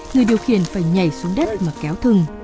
người điều khiển phải nhảy xuống đất mà kéo thừng